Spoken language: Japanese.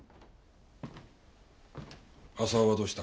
浅尾はどうした？